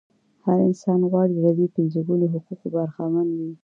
هر انسان غواړي له دې پنځه ګونو حقوقو برخمن وي.